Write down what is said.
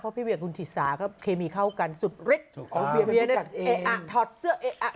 เพราะพี่เวียกลุ่นทิศาก็เคมีเข้ากันสุดริกเอ๊ะอ่ะถอดเสื้อเอ๊ะอ่ะ